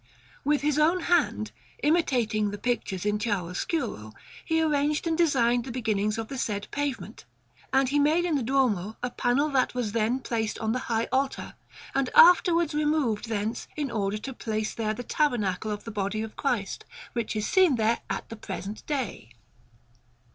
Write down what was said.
With his own hand, imitating the pictures in chiaroscuro, he arranged and designed the beginnings of the said pavement, and he made in the Duomo a panel that was then placed on the high altar, and afterwards removed thence in order to place there the Tabernacle of the Body of Christ, which is seen there at the present day.